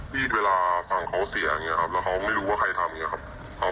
ที่เวลาฝั่งเขาเสียอย่างนี้ครับแล้วเขาไม่รู้ว่าใครทำอย่างนี้ครับ